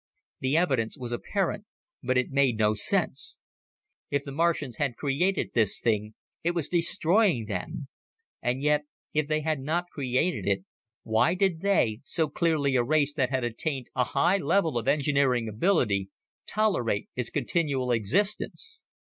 The evidence was apparent, but it made no sense. If the Martians had created this thing, it was destroying them. And yet, if they had not created it, why did they so clearly a race that had attained a high level of engineering ability tolerate its continual existence?